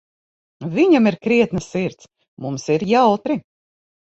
Viņam ir krietna sirds, mums ir jautri.